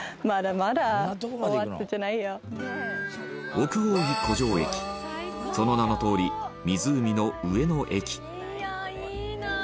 奥大井湖上駅その名のとおり、湖の上の駅本仮屋：いいな！